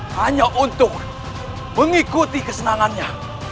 hanya untuk mengikuti kesenangannya